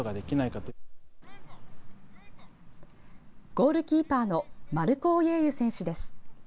ゴールキーパーのマルコ・オイェユ選手です。